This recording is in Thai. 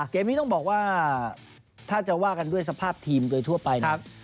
เกมนี้ต้องบอกว่าถ้าจะว่ากันด้วยสภาพทีมโดยทั่วไปนะครับ